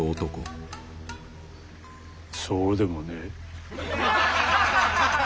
そうでもねえ。